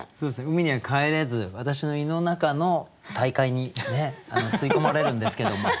海には帰れず私の胃の中の大海にね吸い込まれるんですけども。